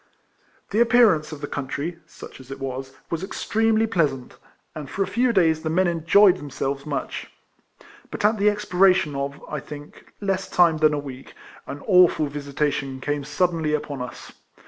256 RECOLLECTIONS OF The appearauce of the country (such as it was) was extremely pleasant, and for a few days the men enjoyed themselves much. But at the expiration of (I think) less time than a week, an awful visitation came sud denly upon us.